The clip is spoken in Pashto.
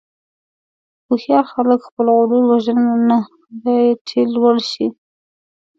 هوښیار خلک خپل غرور وژني، نه دا چې لوړ شي.